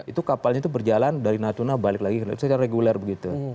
itu kapalnya itu berjalan dari natuna balik lagi secara reguler begitu